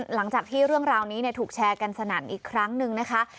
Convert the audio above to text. หลังจากที่เรื่องราวนี้ถูกแชร์กันสนั่นอีกครั้งหนึ่งนะคะ